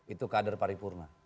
itu kader paripurna